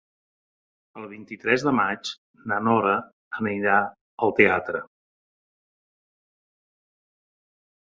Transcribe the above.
El vint-i-tres de maig na Nora anirà al teatre.